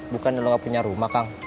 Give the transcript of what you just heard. bukan lo gak punya rumah kang